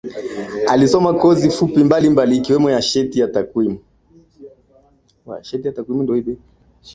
Alisoma kozi fupi mbali mbali ikiwemo ya sheti ya takwimu